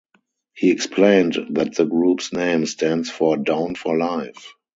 He explained that the group's name stands for "Down for Life".